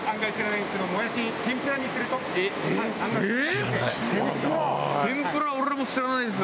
天ぷら俺らも知らないです。